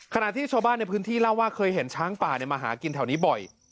ขณะที่ชาวบ้านในพื้นที่เล่าว่าเคยเห็นช้างป่ามาหากินแถวนี้บ่อย